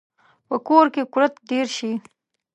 په کور کې کورت ډیر شي